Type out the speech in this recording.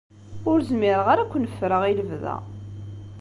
Ur zmireɣ ara ad ken-ffreɣ i lebda.